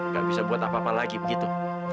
gak bisa buat apa apa lagi begitu